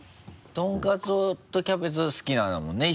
とんかつとキャベツ好きなんだもんね？